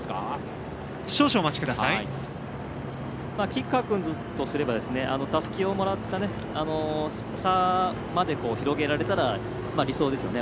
吉川君とすればたすきをもらった差まで広げられたら理想ですよね。